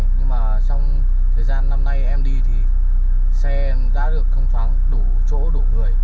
nhưng mà trong thời gian năm nay em đi thì xe em đã được thông thoáng đủ chỗ đủ người